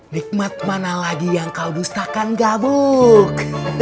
nikmat mana lagi yang kau dusahkan gabung